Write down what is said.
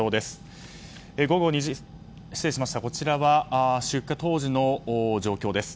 こちらは出火当時の状況です。